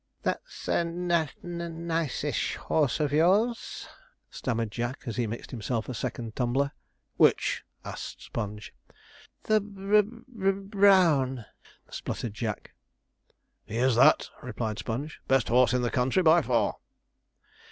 'That's a n n nice ish horse of yours,' stammered Jack, as he mixed himself a second tumbler. 'Which?' asked Sponge. 'The bur bur brown,' spluttered Jack. 'He is that,' replied Sponge; 'best horse in this country by far.'